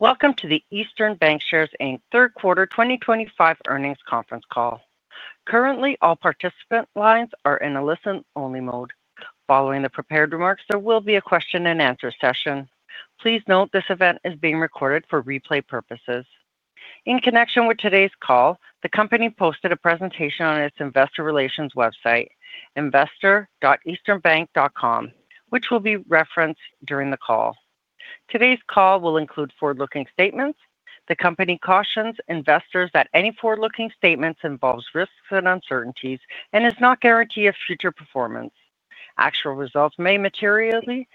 Welcome to the Eastern Bankshares, Inc. third quarter 2025 earnings conference call. Currently, all participant lines are in a listen-only mode. Following the prepared remarks, there will be a question and answer session. Please note this event is being recorded for replay purposes. In connection with today's call, the company posted a presentation on its investor relations website, investor.easternbank.com, which will be referenced during the call. Today's call will include forward-looking statements. The company cautions investors that any forward-looking statements involve risks and uncertainties and do not guarantee a future performance. Actual results may materially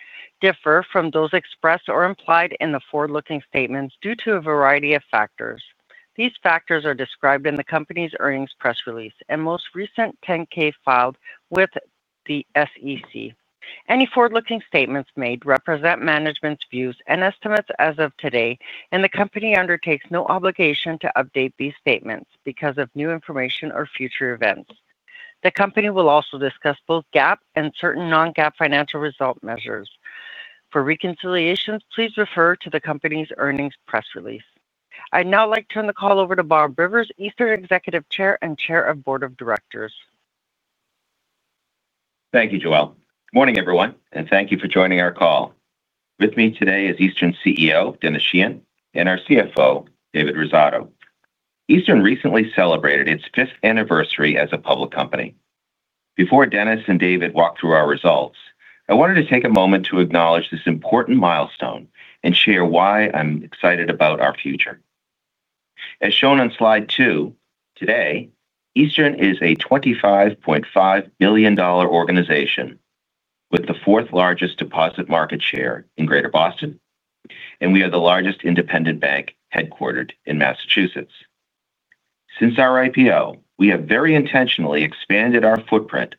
differ from those expressed or implied in the forward-looking statements due to a variety of factors. These factors are described in the company's earnings press release and most recent 10-K filed with the SEC. Any forward-looking statements made represent management's views and estimates as of today, and the company undertakes no obligation to update these statements because of new information or future events. The company will also discuss both GAAP and certain non-GAAP financial result measures. For reconciliations, please refer to the company's earnings press release. I'd now like to turn the call over to Bob Rivers, Eastern Bankshares, Inc.'s Executive Chair and Chair of the Board of Directors. Thank you, Joelle. Morning, everyone, and thank you for joining our call. With me today is Eastern's CEO, Denis Sheahan, and our CFO, David Rosato. Eastern recently celebrated its fifth anniversary as a public company. Before Denis and David walk through our results, I wanted to take a moment to acknowledge this important milestone and share why I'm excited about our future. As shown on slide two, today, Eastern is a $25.5 billion organization with the fourth largest deposit market share in Greater Boston, and we are the largest independent bank headquartered in Massachusetts. Since our IPO, we have very intentionally expanded our footprint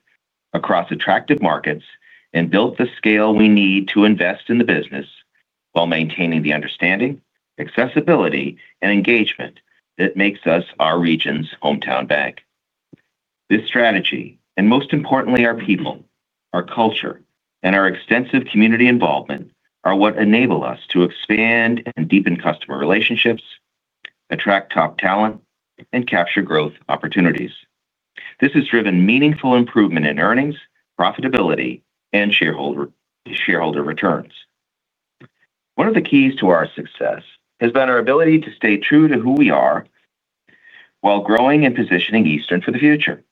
across attractive markets and built the scale we need to invest in the business while maintaining the understanding, accessibility, and engagement that makes us our region's hometown bank. This strategy, and most importantly, our people, our culture, and our extensive community involvement are what enable us to expand and deepen customer relationships, attract top talent, and capture growth opportunities. This has driven meaningful improvement in earnings, profitability, and shareholder returns. One of the keys to our success has been our ability to stay true to who we are while growing and positioning Eastern for the future.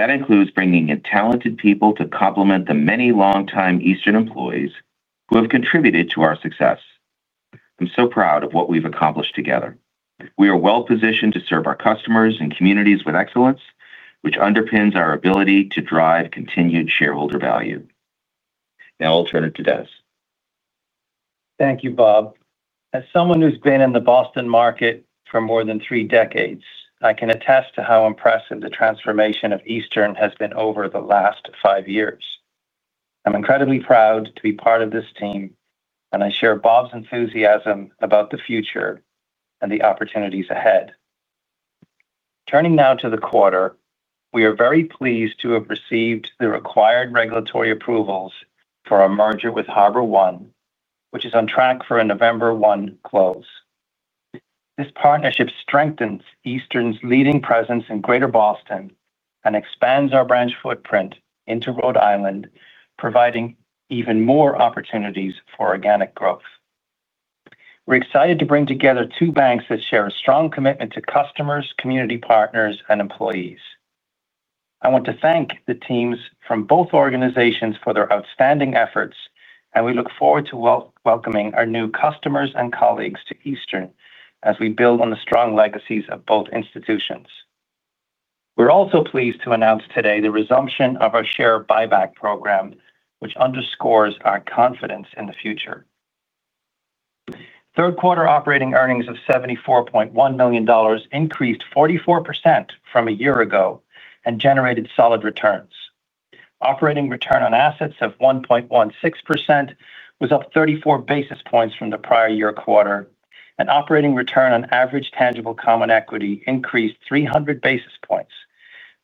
That includes bringing in talented people to complement the many long-time Eastern employees who have contributed to our success. I'm so proud of what we've accomplished together. We are well-positioned to serve our customers and communities with excellence, which underpins our ability to drive continued shareholder value. Now I'll turn it to Denis. Thank you, Bob. As someone who's been in the Boston market for more than three decades, I can attest to how impressive the transformation of Eastern has been over the last five years. I'm incredibly proud to be part of this team, and I share Bob's enthusiasm about the future and the opportunities ahead. Turning now to the quarter, we are very pleased to have received the required regulatory approvals for our merger with HarborOne, which is on track for a November 1 close. This partnership strengthens Eastern's leading presence in Greater Boston and expands our branch footprint into Rhode Island, providing even more opportunities for organic growth. We're excited to bring together two banks that share a strong commitment to customers, community partners, and employees. I want to thank the teams from both organizations for their outstanding efforts, and we look forward to welcoming our new customers and colleagues to Eastern as we build on the strong legacies of both institutions. We're also pleased to announce today the resumption of our share repurchase program, which underscores our confidence in the future. Third quarter operating earnings of $74.1 million increased 44% from a year ago and generated solid returns. Operating return on assets of 1.16% was up 34 basis points from the prior year quarter, and operating return on average tangible common equity increased 300 basis points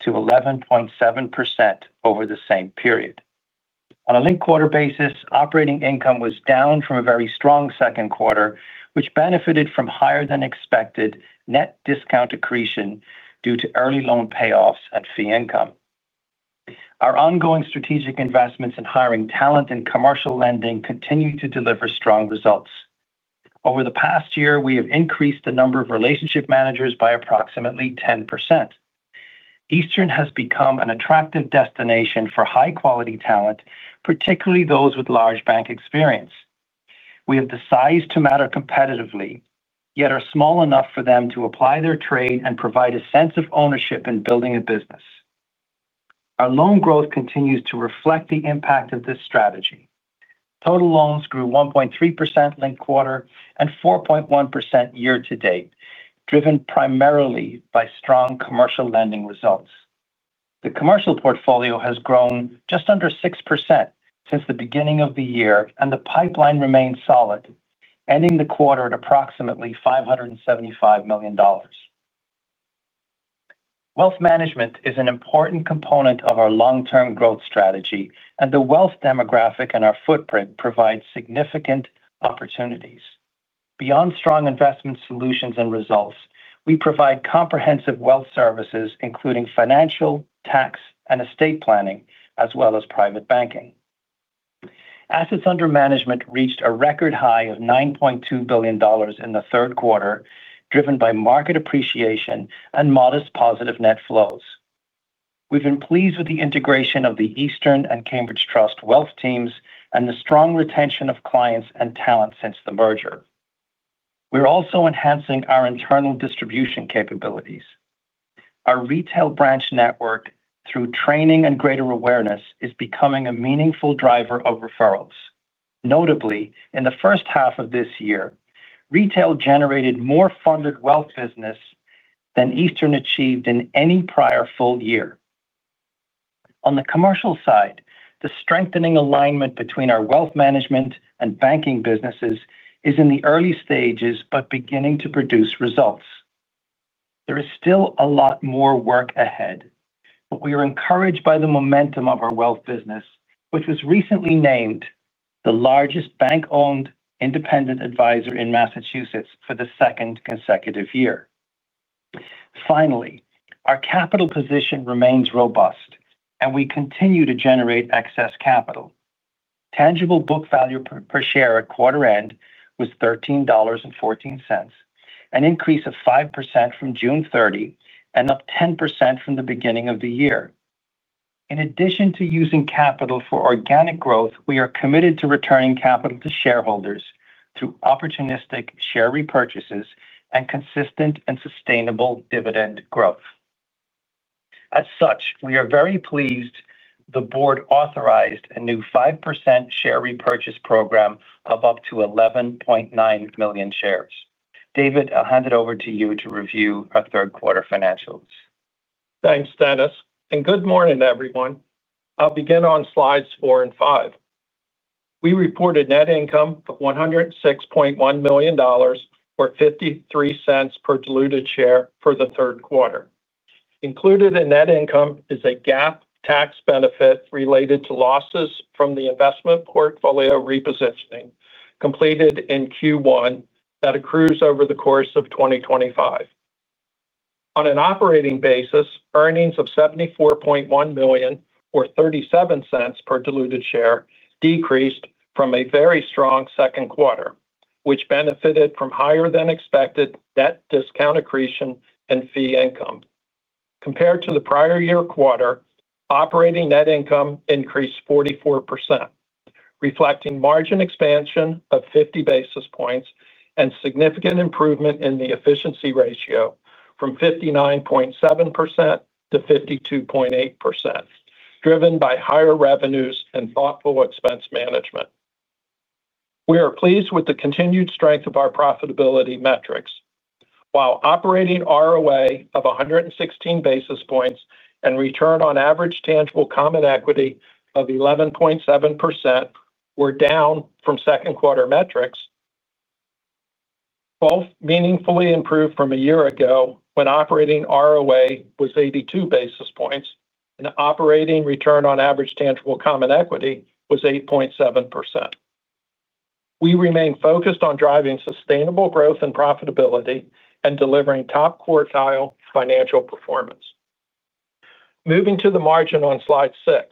to 11.7% over the same period. On a linked quarter basis, operating income was down from a very strong second quarter, which benefited from higher than expected net discount accretion due to early loan payoffs and fee income. Our ongoing strategic investments in hiring talent and commercial lending continue to deliver strong results. Over the past year, we have increased the number of relationship managers by approximately 10%. Eastern has become an attractive destination for high-quality talent, particularly those with large bank experience. We have the size to matter competitively, yet are small enough for them to apply their trade and provide a sense of ownership in building a business. Our loan growth continues to reflect the impact of this strategy. Total loans grew 1.3% linked quarter and 4.1% year to date, driven primarily by strong commercial lending results. The commercial portfolio has grown just under 6% since the beginning of the year, and the pipeline remains solid, ending the quarter at approximately $575 million. Wealth management is an important component of our long-term growth strategy, and the wealth demographic in our footprint provides significant opportunities. Beyond strong investment solutions and results, we provide comprehensive wealth services, including financial, tax, and estate planning, as well as private banking. Assets under management reached a record high of $9.2 billion in the third quarter, driven by market appreciation and modest positive net flows. We've been pleased with the integration of the Eastern and Cambridge Trust Wealth teams and the strong retention of clients and talent since the merger. We're also enhancing our internal distribution capabilities. Our retail branch network, through training and greater awareness, is becoming a meaningful driver of referrals. Notably, in the first half of this year, retail generated more funded wealth business than Eastern achieved in any prior full year. On the commercial side, the strengthening alignment between our wealth management and banking businesses is in the early stages but beginning to produce results. There is still a lot more work ahead, but we are encouraged by the momentum of our wealth business, which was recently named the largest bank-owned independent advisor in Massachusetts for the second consecutive year. Finally, our capital position remains robust, and we continue to generate excess capital. Tangible book value per share at quarter end was $13.14, an increase of 5% from June 30 and up 10% from the beginning of the year. In addition to using capital for organic growth, we are committed to returning capital to shareholders through opportunistic share repurchases and consistent and sustainable dividend growth. As such, we are very pleased the board authorized a new 5% share repurchase program of up to 11.9 million shares. David, I'll hand it over to you to review our third quarter financials. Thanks, Denis, and good morning, everyone. I'll begin on slides four and five. We reported net income of $106.1 million or $0.53 per diluted share for the third quarter. Included in net income is a GAAP tax benefit related to losses from the investment portfolio repositioning completed in Q1 that accrues over the course of 2025. On an operating basis, earnings of $74.1 million or $0.37 per diluted share decreased from a very strong second quarter, which benefited from higher than expected net discount accretion and fee income. Compared to the prior year quarter, operating net income increased 44%, reflecting margin expansion of 50 basis points and significant improvement in the efficiency ratio from 59.7% to 52.8%, driven by higher revenues and thoughtful expense management. We are pleased with the continued strength of our profitability metrics. While operating ROA of 116 basis points and return on average tangible common equity of 11.7% were down from second quarter metrics, both meaningfully improved from a year ago when operating ROA was 82 basis points and operating return on average tangible common equity was 8.7%. We remain focused on driving sustainable growth and profitability and delivering top quartile financial performance. Moving to the margin on slide six,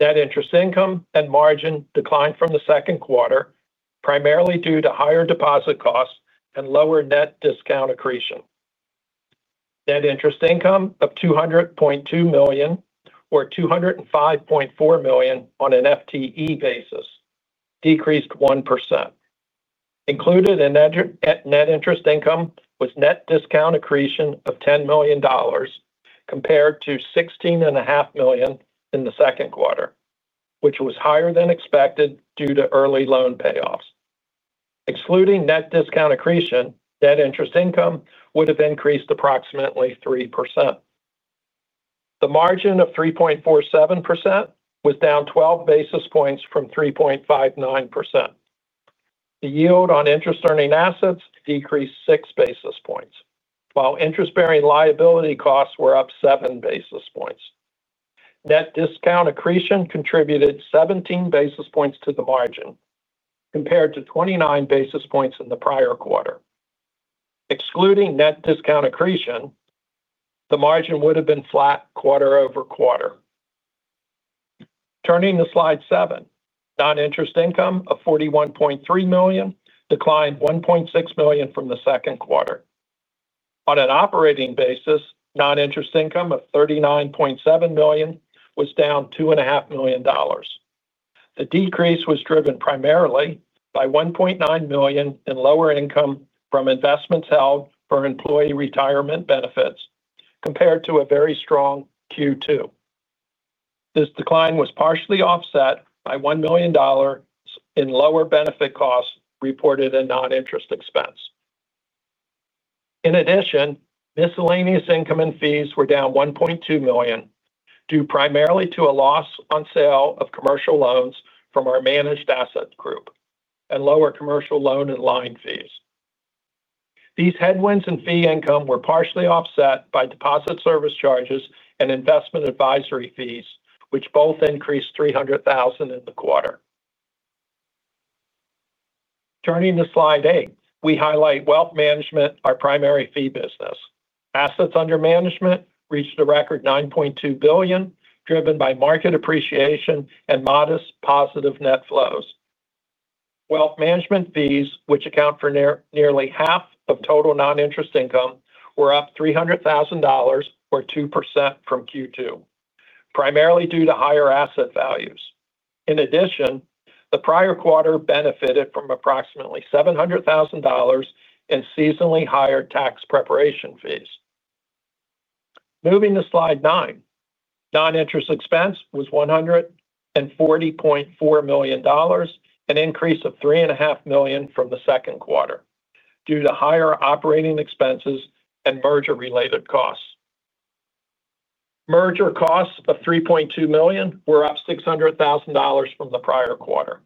net interest income and margin declined from the second quarter, primarily due to higher deposit costs and lower net discount accretion. Net interest income of $200.2 million or $205.4 million on an FTE basis decreased 1%. Included in net interest income was net discount accretion of $10 million compared to $16.5 million in the second quarter, which was higher than expected due to early loan payoffs. Excluding net discount accretion, net interest income would have increased approximately 3%. The margin of 3.47% was down 12 basis points from 3.59%. The yield on interest-earning assets decreased 6 basis points, while interest-bearing liability costs were up 7 basis points. Net discount accretion contributed 17 basis points to the margin compared to 29 basis points in the prior quarter. Excluding net discount accretion, the margin would have been flat quarter over quarter. Turning to slide seven, non-interest income of $41.3 million declined $1.6 million from the second quarter. On an operating basis, non-interest income of $39.7 million was down $2.5 million. The decrease was driven primarily by $1.9 million in lower income from investments held for employee retirement benefits compared to a very strong Q2. This decline was partially offset by $1 million in lower benefit costs reported in non-interest expense. In addition, miscellaneous income and fees were down $1.2 million due primarily to a loss on sale of commercial loans from our managed asset group and lower commercial loan and line fees. These headwinds in fee income were partially offset by deposit service charges and investment advisory fees, which both increased $300,000 in the quarter. Turning to slide eight, we highlight wealth management, our primary fee business. Assets under management reached a record $9.2 billion, driven by market appreciation and modest positive net flows. Wealth management fees, which account for nearly half of total non-interest income, were up $300,000 or 2% from Q2, primarily due to higher asset values. In addition, the prior quarter benefited from approximately $700,000 in seasonally higher tax preparation fees. Moving to slide nine, non-interest expense was $140.4 million, an increase of $3.5 million from the second quarter due to higher operating expenses and merger-related costs. Merger costs of $3.2 million were up $600,000 from the prior quarter.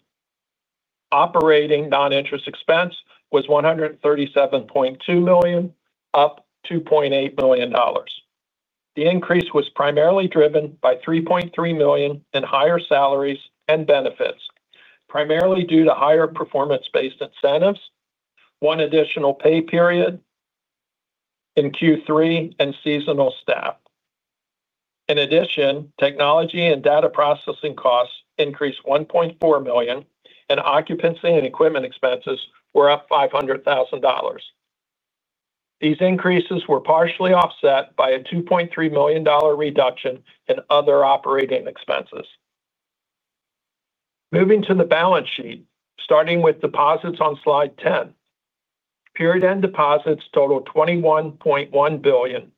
Operating non-interest expense was $137.2 million, up $2.8 million. The increase was primarily driven by $3.3 million in higher salaries and benefits, primarily due to higher performance-based incentives, one additional pay period in Q3, and seasonal staff. In addition, technology and data processing costs increased $1.4 million, and occupancy and equipment expenses were up $500,000. These increases were partially offset by a $2.3 million reduction in other operating expenses. Moving to the balance sheet, starting with deposits on slide ten, period end deposits total $21.1 billion,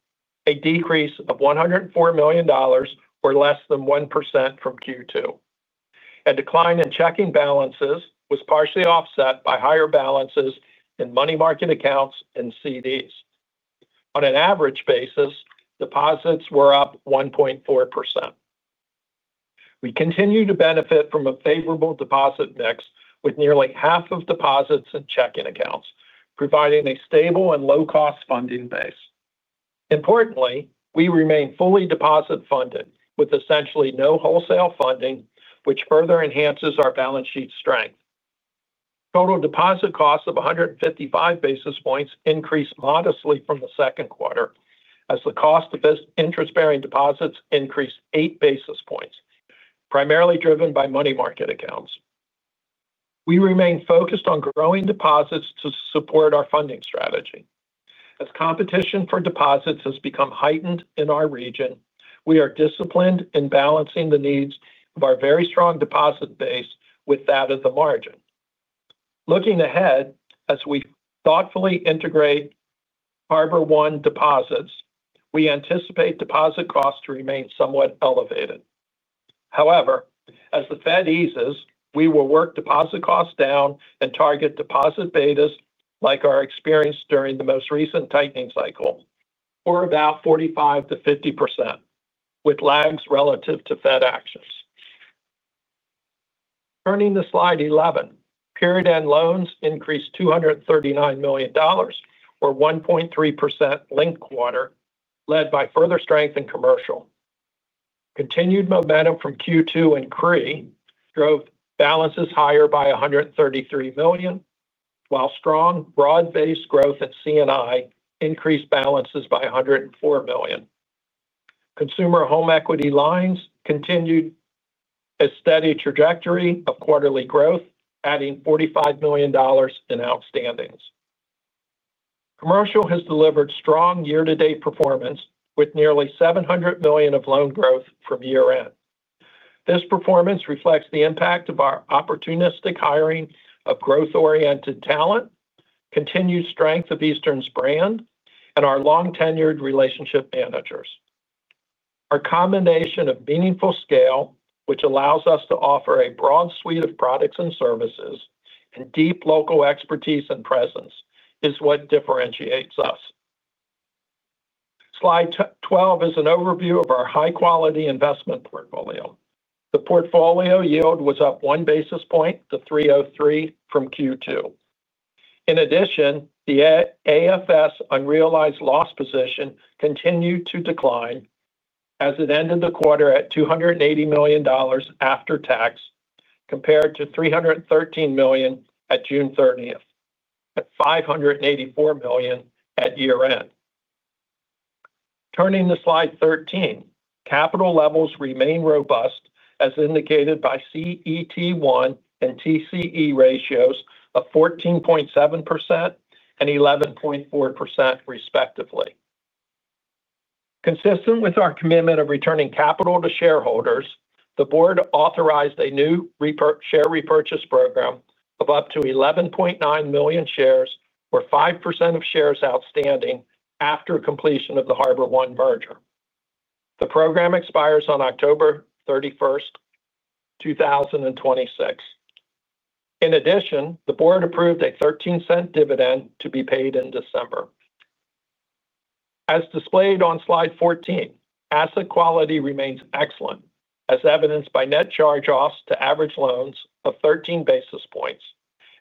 a decrease of $104 million or less than 1% from Q2. A decline in checking balances was partially offset by higher balances in money market accounts and CDs. On an average basis, deposits were up 1.4%. We continue to benefit from a favorable deposit mix with nearly half of deposits in checking accounts, providing a stable and low-cost funding base. Importantly, we remain fully deposit funded with essentially no wholesale funding, which further enhances our balance sheet strength. Total deposit costs of 155 basis points increased modestly from the second quarter, as the cost of interest-bearing deposits increased 8 basis points, primarily driven by money market accounts. We remain focused on growing deposits to support our funding strategy. As competition for deposits has become heightened in our region, we are disciplined in balancing the needs of our very strong deposit base with that of the margin. Looking ahead, as we thoughtfully integrate HarborOne deposits, we anticipate deposit costs to remain somewhat elevated. However, as the Fed eases, we will work deposit costs down and target deposit betas like our experience during the most recent tightening cycle, or about 45 to 50% with lags relative to Fed actions. Turning to slide 11, period end loans increased $239 million or 1.3% linked quarter, led by further strength in commercial. Continued momentum from Q2 and CRE drove balances higher by $133 million, while strong broad-based growth at C&I increased balances by $104 million. Consumer home equity lines continued a steady trajectory of quarterly growth, adding $45 million in outstandings. Commercial has delivered strong year-to-date performance with nearly $700 million of loan growth from year end. This performance reflects the impact of our opportunistic hiring of growth-oriented talent, continued strength of Eastern's brand, and our long-tenured relationship managers. Our combination of meaningful scale, which allows us to offer a broad suite of products and services, and deep local expertise and presence is what differentiates us. Slide 12 is an overview of our high-quality investment portfolio. The portfolio yield was up one basis point to 3.03% from Q2. In addition, the AFS unrealized loss position continued to decline as it ended the quarter at $280 million after tax, compared to $313 million at June 30 and $584 million at year end. Turning to slide 13, capital levels remain robust as indicated by CET1 and TCE ratios of 14.7% and 11.4% respectively. Consistent with our commitment of returning capital to shareholders, the board authorized a new share repurchase program of up to 11.9 million shares, or 5% of shares outstanding after completion of the HarborOne merger. The program expires on October 31, 2026. In addition, the board approved a $0.13 dividend to be paid in December. As displayed on slide 14, asset quality remains excellent, as evidenced by net charge-offs to average loans of 13 basis points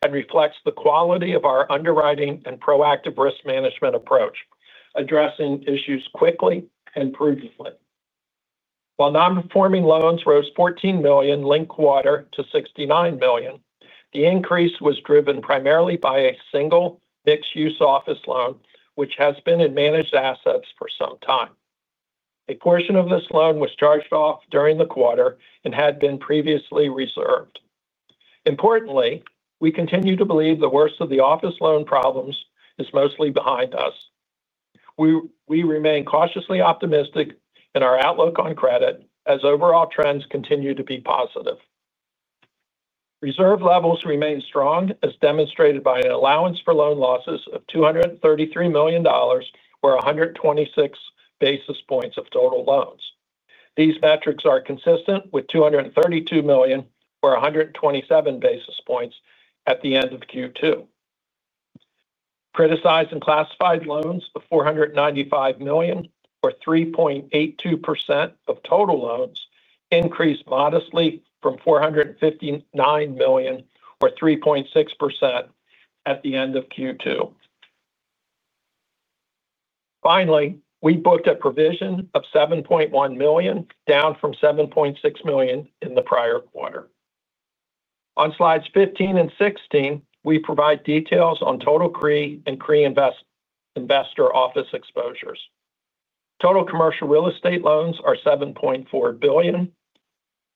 and reflects the quality of our underwriting and proactive risk management approach, addressing issues quickly and prudently. While non-performing loans rose $14 million linked quarter to $69 million, the increase was driven primarily by a single mixed-use office loan, which has been in managed assets for some time. A portion of this loan was charged off during the quarter and had been previously reserved. Importantly, we continue to believe the worst of the office loan problems is mostly behind us. We remain cautiously optimistic in our outlook on credit as overall trends continue to be positive. Reserve levels remain strong, as demonstrated by an allowance for loan losses of $233 million or 1.26% of total loans. These metrics are consistent with $232 million or 1.27% at the end of Q2. Criticized and classified loans of $495 million or 3.82% of total loans increased modestly from $459 million or 3.6% at the end of Q2. Finally, we booked a provision of $7.1 million, down from $7.6 million in the prior quarter. On slides 15 and 16, we provide details on total CRE and CRE investor office exposures. Total commercial real estate loans are $7.4 billion.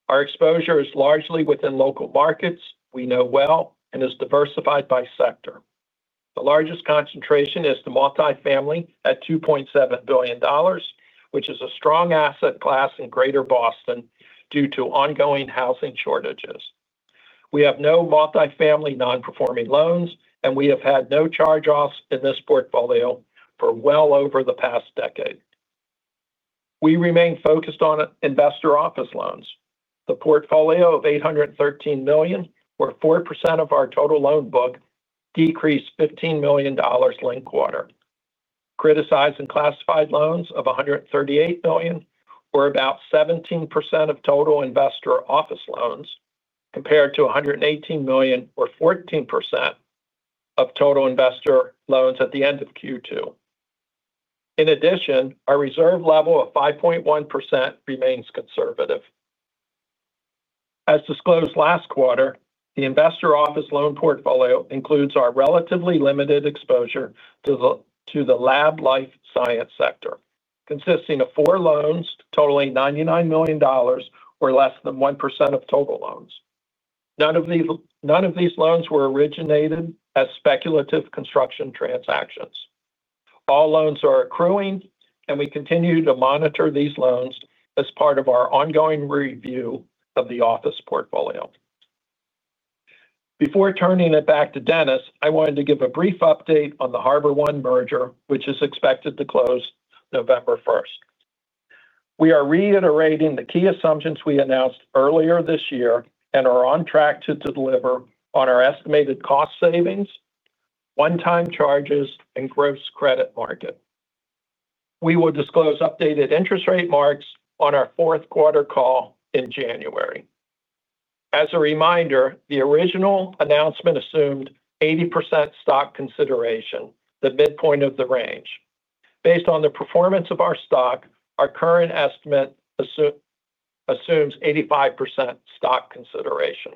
Our exposure is largely within local markets we know well and is diversified by sector. The largest concentration is the multifamily at $2.7 billion, which is a strong asset class in Greater Boston due to ongoing housing shortages. We have no multifamily non-performing loans, and we have had no charge-offs in this portfolio for well over the past decade. We remain focused on investor office loans. The portfolio of $813 million, or 4% of our total loan book, decreased $15 million linked quarter. Criticized and classified loans of $138 million, or about 17% of total investor office loans, compared to $118 million, or 14% of total investor loans at the end of Q2. In addition, our reserve level of 5.1% remains conservative. As disclosed last quarter, the investor office loan portfolio includes our relatively limited exposure to the lab life science sector, consisting of four loans totaling $99 million, or less than 1% of total loans. None of these loans were originated as speculative construction transactions. All loans are accruing, and we continue to monitor these loans as part of our ongoing review of the office portfolio. Before turning it back to Denis, I wanted to give a brief update on the HarborOne merger, which is expected to close November 1. We are reiterating the key assumptions we announced earlier this year and are on track to deliver on our estimated cost savings, one-time charges, and gross credit mark. We will disclose updated interest rate marks on our fourth quarter call in January. As a reminder, the original announcement assumed 80% stock consideration, the midpoint of the range. Based on the performance of our stock, our current estimate assumes 85% stock consideration.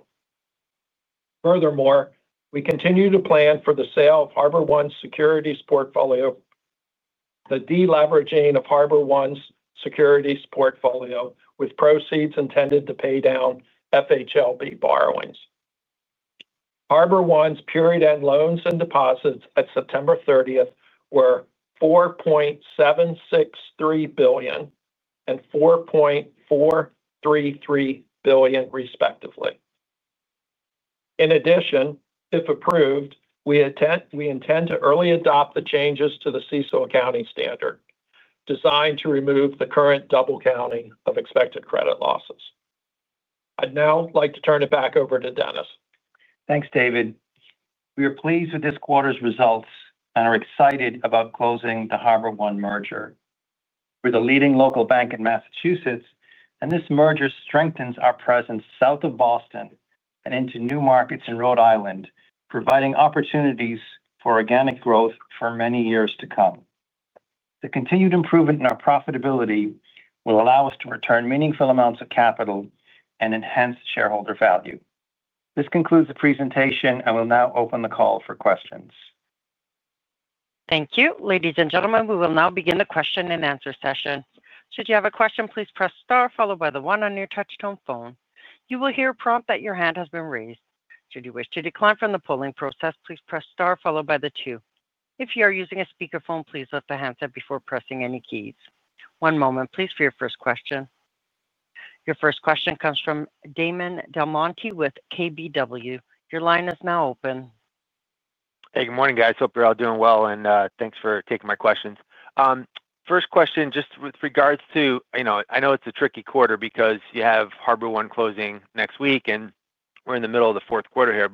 Furthermore, we continue to plan for the sale of HarborOne's securities portfolio, the deleveraging of HarborOne's securities portfolio with proceeds intended to pay down FHLB borrowings. HarborOne's period end loans and deposits at September 30 were $4.763 billion and $4.433 billion, respectively. In addition, if approved, we intend to early adopt the changes to the CECL accounting standard designed to remove the current double counting of expected credit losses. I'd now like to turn it back over to Denis. Thanks, David. We are pleased with this quarter's results and are excited about closing the HarborOne merger. We're the leading local bank in Massachusetts, and this merger strengthens our presence south of Boston and into new markets in Rhode Island, providing opportunities for organic growth for many years to come. The continued improvement in our profitability will allow us to return meaningful amounts of capital and enhance shareholder value. This concludes the presentation. I will now open the call for questions. Thank you, ladies and gentlemen. We will now begin the question and answer session. Should you have a question, please press star followed by the one on your touchtone phone. You will hear a prompt that your hand has been raised. Should you wish to decline from the polling process, please press star followed by the two. If you are using a speakerphone, please lift the handset before pressing any keys. One moment, please, for your first question. Your first question comes from Damon DelMonte with KBW. Your line is now open. Hey, good morning, guys. Hope you're all doing well, and thanks for taking my questions. First question, just with regards to, you know, I know it's a tricky quarter because you have HarborOne closing next week, and we're in the middle of the fourth quarter here.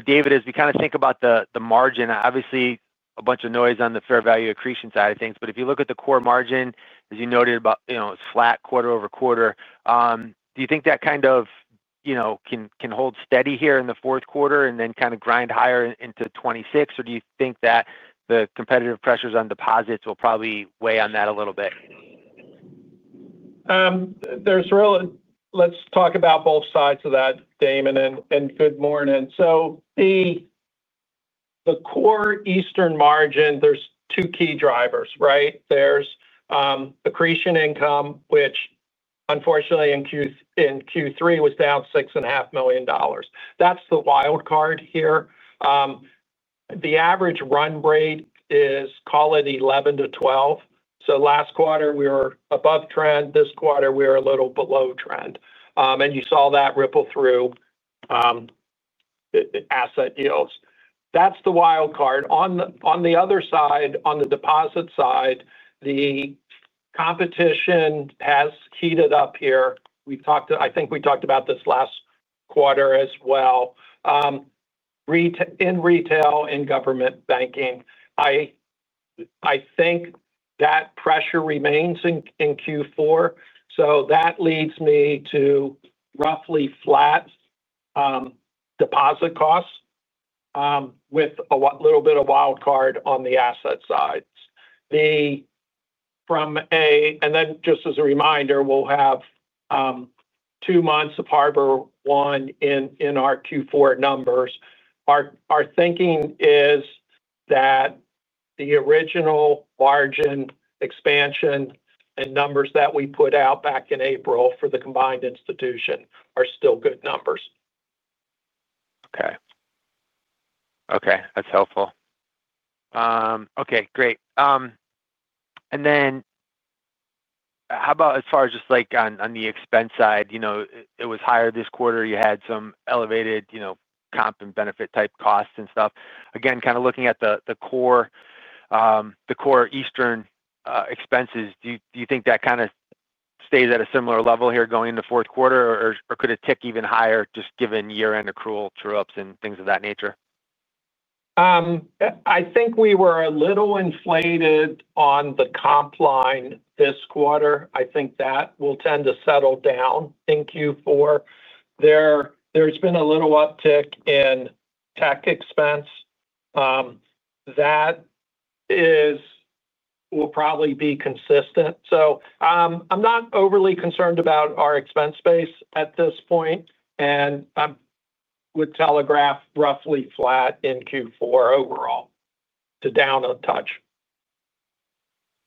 David, as we kind of think about the margin, obviously a bunch of noise on the fair value accretion side of things, but if you look at the core margin, as you noted, you know, it's flat quarter over quarter. Do you think that kind of, you know, can hold steady here in the fourth quarter and then kind of grind higher into 2026, or do you think that the competitive pressures on deposits will probably weigh on that a little bit? Let's talk about both sides of that, Damon, and good morning. The core Eastern margin, there's two key drivers, right? There's accretion income, which unfortunately in Q3 was down $6.5 million. That's the wild card here. The average run rate is, call it $11 to $12 million. Last quarter we were above trend. This quarter we were a little below trend. You saw that ripple through asset yields. That's the wild card. On the other side, on the deposit side, the competition has heated up here. We've talked to, I think we talked about this last quarter as well. In retail and government banking, I think that pressure remains in Q4. That leads me to roughly flat deposit costs with a little bit of wild card on the asset side. Just as a reminder, we'll have two months of HarborOne in our Q4 numbers. Our thinking is that the original margin expansion and numbers that we put out back in April for the combined institution are still good numbers. Okay, that's helpful. Great. How about as far as just on the expense side? It was higher this quarter. You had some elevated comp and benefit type costs and stuff. Again, kind of looking at the core Eastern expenses, do you think that kind of stays at a similar level here going into fourth quarter, or could it tick even higher just given year-end accrual true-ups and things of that nature? I think we were a little inflated on the comp line this quarter. I think that will tend to settle down in Q4. There's been a little uptick in tech expense, and that will probably be consistent. I'm not overly concerned about our expense space at this point. I would telegraph roughly flat in Q4 overall to down a touch.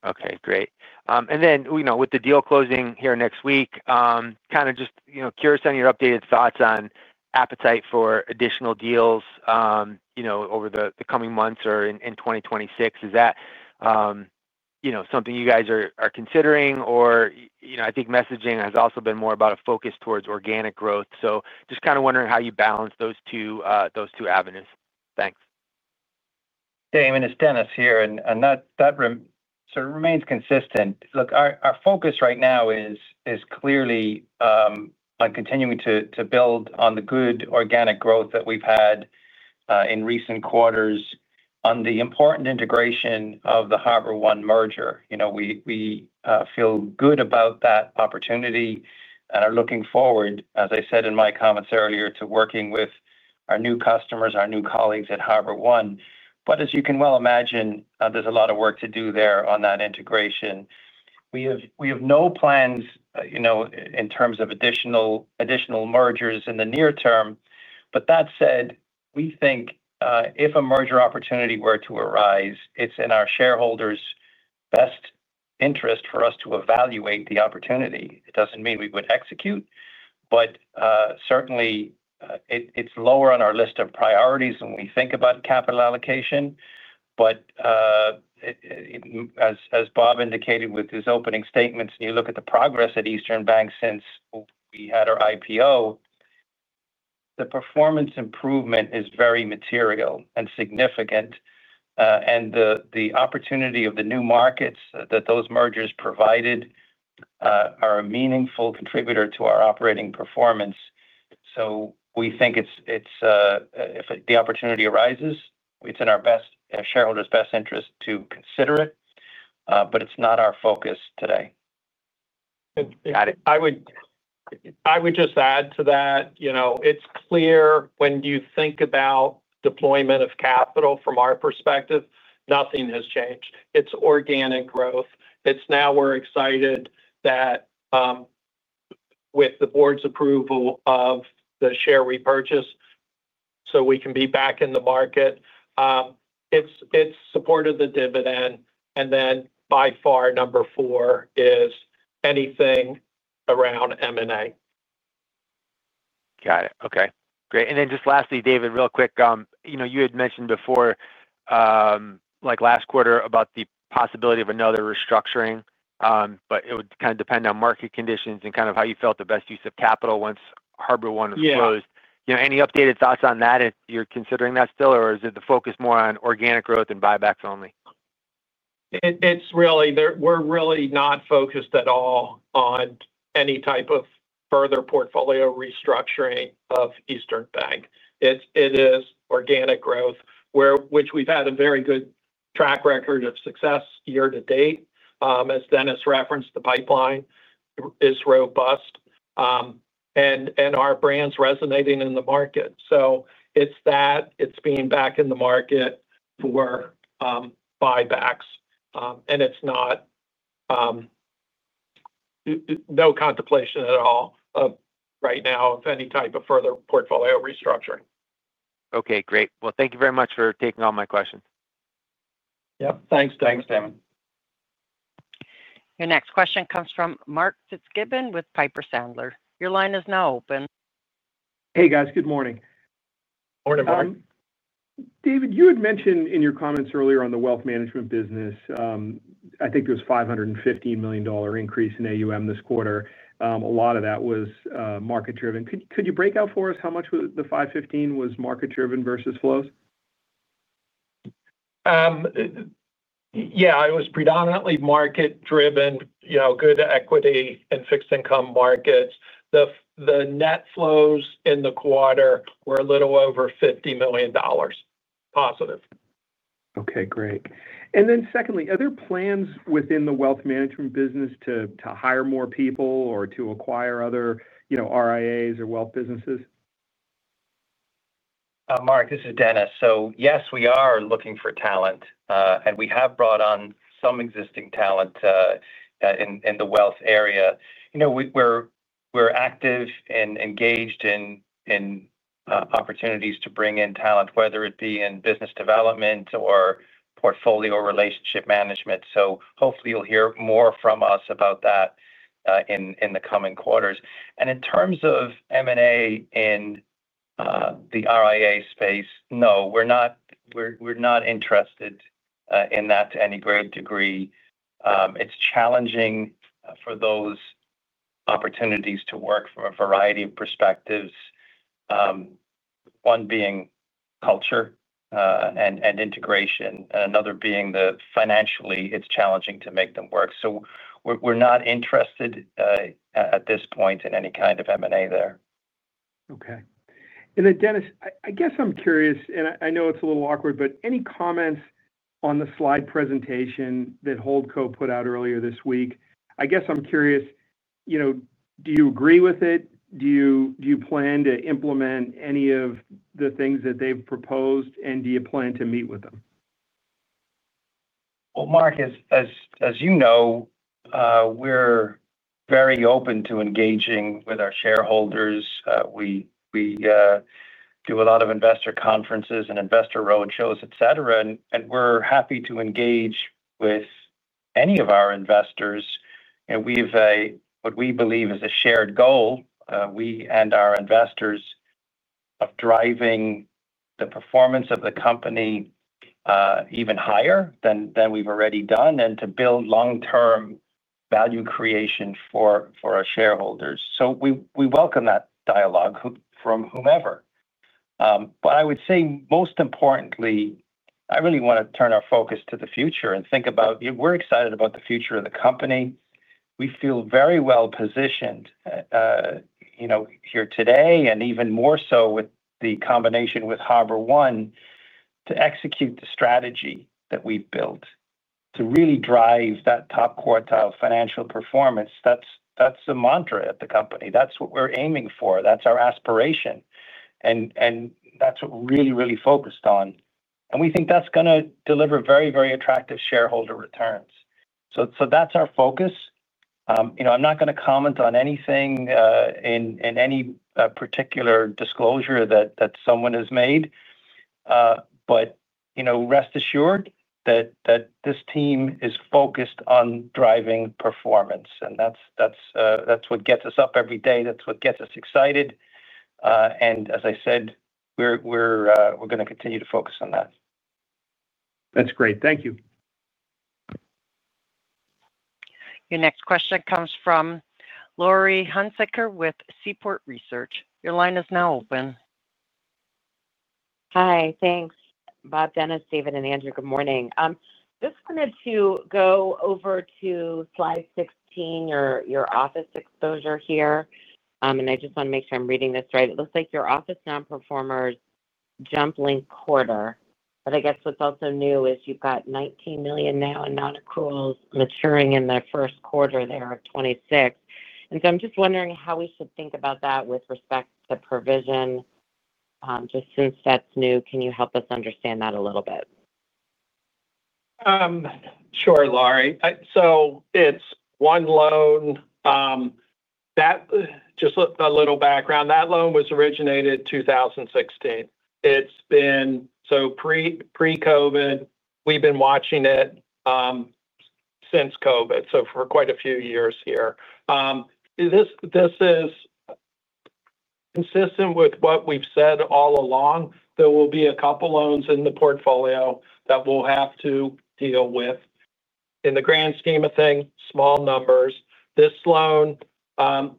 Okay, great. With the deal closing here next week, just curious on your updated thoughts on appetite for additional deals over the coming months or in 2026. Is that something you guys are considering? I think messaging has also been more about a focus towards organic growth. Just wondering how you balance those two avenues. Thanks. Hey, my name is Denis here, and that sort of remains consistent. Look, our focus right now is clearly on continuing to build on the good organic growth that we've had in recent quarters on the important integration of the HarborOne merger. We feel good about that opportunity and are looking forward, as I said in my comments earlier, to working with our new customers, our new colleagues at HarborOne. As you can well imagine, there's a lot of work to do there on that integration. We have no plans in terms of additional mergers in the near term. That said, we think if a merger opportunity were to arise, it's in our shareholders' best interest for us to evaluate the opportunity. It doesn't mean we would execute, but certainly it's lower on our list of priorities when we think about capital allocation. As Bob indicated with his opening statements, and you look at the progress at Eastern Bankshares since we had our IPO, the performance improvement is very material and significant. The opportunity of the new markets that those mergers provided are a meaningful contributor to our operating performance. We think if the opportunity arises, it's in our shareholders' best interest to consider it, but it's not our focus today. I would just add to that, you know, it's clear when you think about deployment of capital from our perspective, nothing has changed. It's organic growth. Now we're excited that with the board's approval of the share repurchase, we can be back in the market. It's support of the dividend. By far, number four is anything around M&A. Got it. Okay, great. Lastly, David, real quick, you had mentioned before, like last quarter, about the possibility of another restructuring, but it would depend on market conditions and how you felt the best use of capital once HarborOne was closed. Any updated thoughts on that if you're considering that still, or is the focus more on organic growth and buybacks only? We're really not focused at all on any type of further portfolio restructuring of Eastern Bankshares, Inc. It is organic growth, which we've had a very good track record of success year to date. As Denis referenced, the pipeline is robust and our brand's resonating in the market. It's that, it's being back in the market for buybacks, and there's no contemplation at all right now of any type of further portfolio restructuring. Okay, great. Thank you very much for taking all my questions. Yep, thanks. Thanks, Damon. Your next question comes from Mark Fitzgibbon with Piper Sandler. Your line is now open. Hey, guys, good morning. Morning, Mark. David, you had mentioned in your comments earlier on the wealth management business, I think it was a $515 million increase in assets under management this quarter. A lot of that was market-driven. Could you break out for us how much of the $515 million was market-driven versus flows? Yeah, it was predominantly market-driven, you know, good equity and fixed income markets. The net flows in the quarter were a little over $50 million, positive. Okay, great. Are there plans within the wealth management business to hire more people or to acquire other, you know, RIAs or wealth businesses? Mark, this is Denis. Yes, we are looking for talent, and we have brought on some existing talent in the wealth area. We are active and engaged in opportunities to bring in talent, whether it be in business development or portfolio relationship management. Hopefully you'll hear more from us about that in the coming quarters. In terms of M&A in the RIA space, no, we're not interested in that to any great degree. It's challenging for those opportunities to work from a variety of perspectives, one being culture and integration, and another being that financially it's challenging to make them work. We're not interested at this point in any kind of M&A there. Okay. Denis, I guess I'm curious, and I know it's a little awkward, but any comments on the slide presentation that Holdco put out earlier this week? I guess I'm curious, you know, do you agree with it? Do you plan to implement any of the things that they've proposed, and do you plan to meet with them? As you know, we're very open to engaging with our shareholders. We do a lot of investor conferences and investor roadshows, etc., and we're happy to engage with any of our investors. We have what we believe is a shared goal. We and our investors are driving the performance of the company even higher than we've already done and to build long-term value creation for our shareholders. We welcome that dialogue from whomever. Most importantly, I really want to turn our focus to the future and think about we're excited about the future of the company. We feel very well positioned here today, and even more so with the combination with HarborOne. to execute the strategy that we've built to really drive that top quartile financial performance. That's the mantra at the company. That's what we're aiming for. That's our aspiration. That's what we're really, really focused on. We think that's going to deliver very, very attractive shareholder returns. That's our focus. I'm not going to comment on anything in any particular disclosure that someone has made. Rest assured that this team is focused on driving performance. That's what gets us up every day. That's what gets us excited. As I said, we're going to continue to focus on that. That's great. Thank you. Your next question comes from Laurie Hunsaker with Seaport Research. Your line is now open. Hi, thanks. Bob, Denis, David, and Andrew, good morning. I just wanted to go over to slide 16, your office exposure here. I just want to make sure I'm reading this right. It looks like your office non-performers jumped linked quarter. I guess what's also new is you've got $19 million now in non-accruals maturing in the first quarter of 2026. I'm just wondering how we should think about that with respect to the provision. Just since that's new, can you help us understand that a little bit? Sure, Laurie. It's one loan. Just a little background. That loan was originated in 2016. It's been pre-COVID. We've been watching it since COVID for quite a few years here. This is consistent with what we've said all along. There will be a couple of loans in the portfolio that we'll have to deal with. In the grand scheme of things, small numbers. This loan,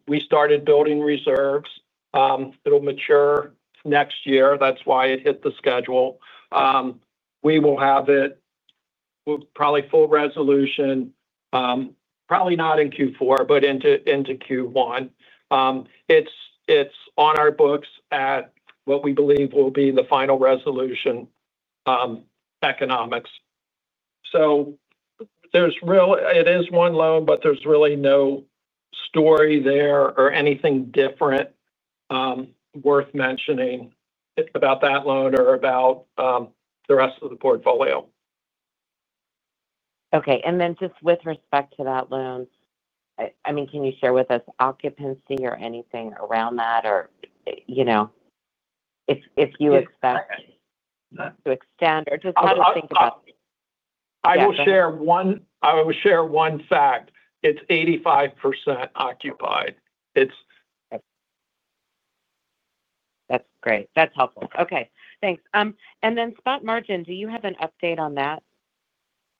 we started building reserves. It'll mature next year. That's why it hit the schedule. We will have it, we'll probably full resolution, probably not in Q4, but into Q1. It's on our books at what we believe will be the final resolution economics. There's really, it is one loan, but there's really no story there or anything different worth mentioning about that loan or about the rest of the portfolio. Okay. With respect to that loan, can you share with us occupancy or anything around that, or if you expect to extend, or just how to think about it? I will share one fact. It's 85% occupied. That's great. That's helpful. Okay, thanks. Do you have an update on spot margin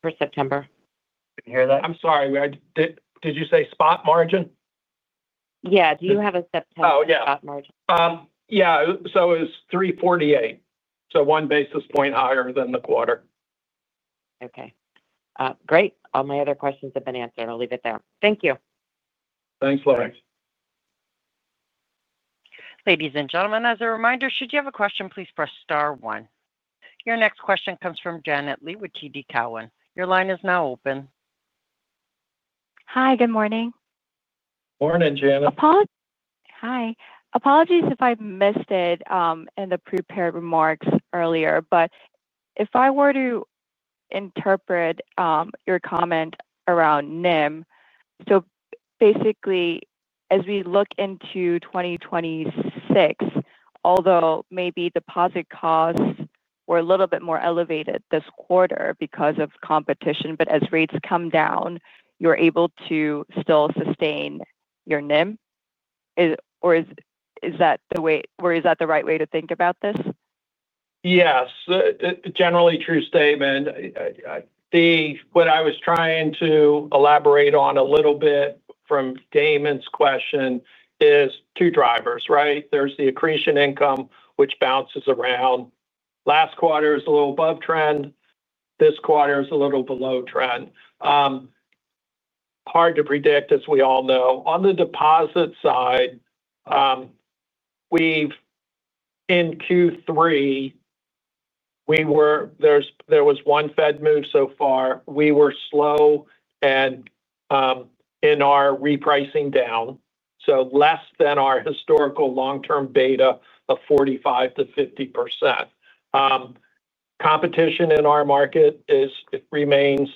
for September? I didn't hear that. I'm sorry. Did you say spot margin? Do you have a September spot margin? Yeah, it was 348, so one basis point higher than the quarter. Okay. Great. All my other questions have been answered. I'll leave it there. Thank you. Thanks, Laurie. Ladies and gentlemen, as a reminder, should you have a question, please press star one. Your next question comes from Janet Lee with TD Cowen. Your line is now open. Hi, good morning. Morning, Janet. Hi. Apologies if I missed it in the prepared remarks earlier, but if I were to interpret your comment around NIM, as we look into 2026, although maybe deposit costs were a little bit more elevated this quarter because of competition, as rates come down, you're able to still sustain your NIM. Is that the right way to think about this? Yes. Generally, true statement. I think what I was trying to elaborate on a little bit from Damon's question is two drivers, right? There's the accretion income, which bounces around. Last quarter is a little above trend. This quarter is a little below trend. Hard to predict, as we all know. On the deposit side, in Q3, there was one Fed move so far. We were slow in our repricing down, so less than our historical long-term beta of 45% to 50%. Competition in our market remains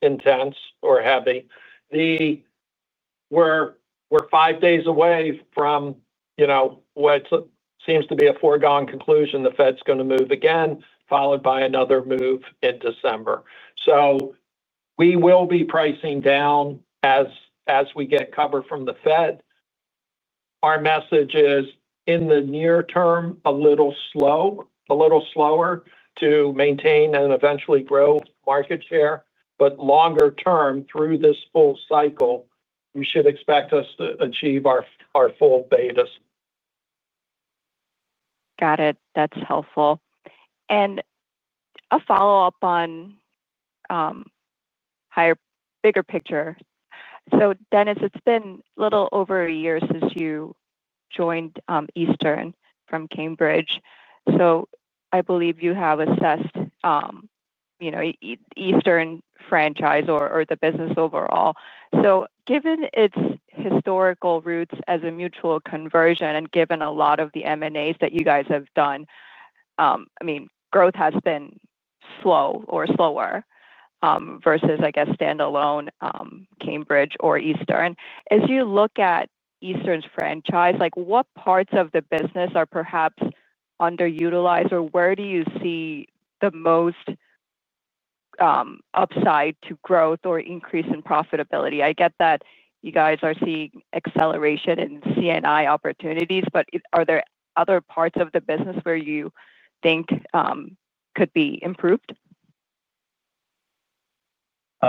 intense or heavy. We're five days away from what seems to be a foregone conclusion: the Fed's going to move again, followed by another move in December. We will be pricing down as we get cover from the Fed. Our message is, in the near term, a little slow, a little slower to maintain and eventually grow market share. Longer term, through this full cycle, you should expect us to achieve our full betas. Got it. That's helpful. A follow-up on a bigger picture. Denis, it's been a little over a year since you joined Eastern from Cambridge. I believe you have assessed Eastern's franchise or the business overall. Given its historical roots as a mutual conversion and given a lot of the M&As that you guys have done, growth has been slow or slower versus, I guess, standalone Cambridge or Eastern. As you look at Eastern's franchise, what parts of the business are perhaps underutilized or where do you see the most upside to growth or increase in profitability? I get that you guys are seeing acceleration in C&I opportunities, but are there other parts of the business where you think could be improved?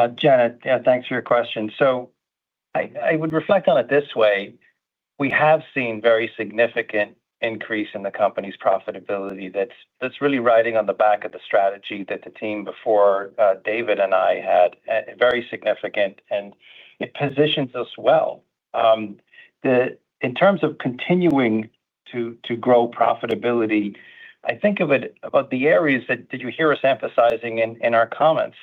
Janet, yeah, thanks for your question. I would reflect on it this way. We have seen a very significant increase in the company's profitability that's really riding on the back of the strategy that the team before David and I had, very significant, and it positions us well. In terms of continuing to grow profitability, I think of it about the areas that you hear us emphasizing in our comments.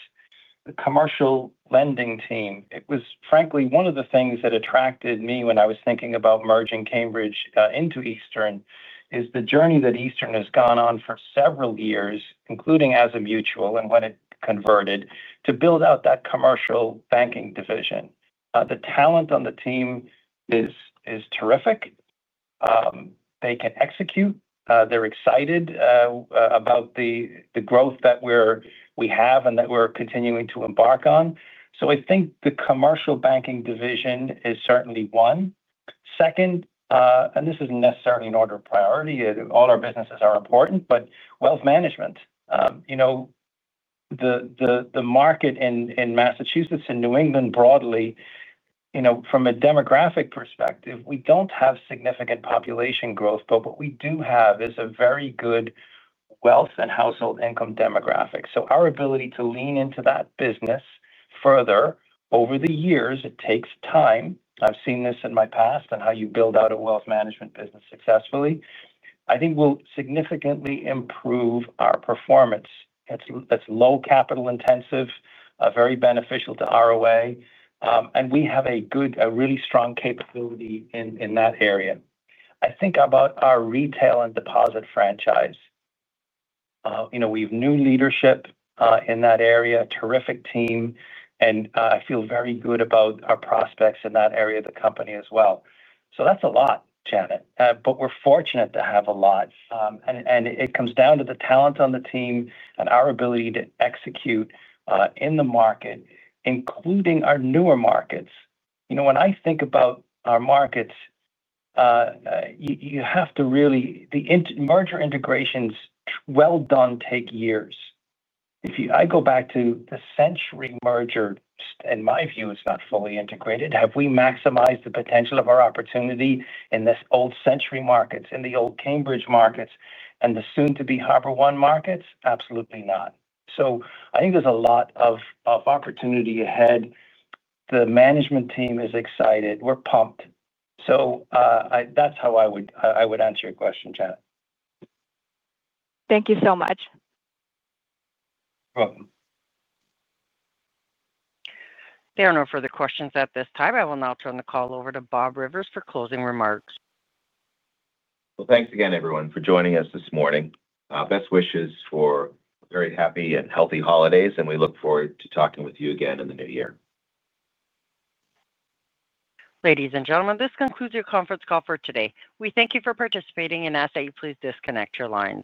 The commercial lending team, it was frankly one of the things that attracted me when I was thinking about merging Cambridge into Eastern is the journey that Eastern has gone on for several years, including as a mutual and when it converted, to build out that commercial banking division. The talent on the team is terrific. They can execute. They're excited about the growth that we have and that we're continuing to embark on. I think the commercial banking division is certainly one. Second, and this isn't necessarily an order of priority. All our businesses are important, but wealth management, you know, the market in Massachusetts and New England broadly, you know, from a demographic perspective, we don't have significant population growth, but what we do have is a very good wealth and household income demographic. Our ability to lean into that business further over the years, it takes time. I've seen this in my past and how you build out a wealth management business successfully. I think we'll significantly improve our performance. It's low capital intensive, very beneficial to ROA, and we have a good, a really strong capability in that area. I think about our retail and deposit franchise. We have new leadership in that area, a terrific team, and I feel very good about our prospects in that area of the company as well. That's a lot, Janet, but we're fortunate to have a lot. It comes down to the talent on the team and our ability to execute in the market, including our newer markets. When I think about our markets, you have to really, the merger integrations, well done, take years. If you, I go back to the Century merger, in my view, it's not fully integrated. Have we maximized the potential of our opportunity in this old Century markets, in the old Cambridge markets, and the soon-to-be HarborOne markets? Absolutely not. I think there's a lot of opportunity ahead. The management team is excited. We're pumped. That's how I would answer your question, Janet. Thank you so much. You're welcome. There are no further questions at this time. I will now turn the call over to Bob Rivers for closing remarks. Thank you again, everyone, for joining us this morning. Best wishes for very happy and healthy holidays, and we look forward to talking with you again in the new year. Ladies and gentlemen, this concludes your conference call for today. We thank you for participating and ask that you please disconnect your lines.